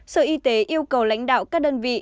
sở y tế yêu cầu lãnh đạo các đơn vị